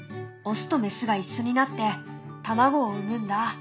オスとメスが一緒になって卵を産むんだ。